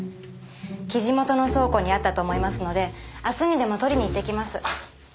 生地元の倉庫にあったと思いますので明日にでも取りに行ってきます。